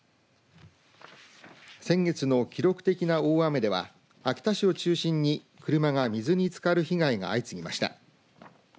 先月の記録的な大雨では秋田市を中心に車が水につかる被害が相次ぎました。